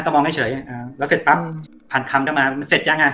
ก็มองเฉยอ่าแล้วเสร็จปั๊บผ่านคำเข้ามามันเสร็จยังอ่ะ